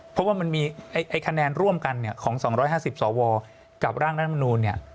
เพราะว่ามันมีไอ้คะแนนร่วมกันของ๒๕๐สวกับร่างด้านมนุษย์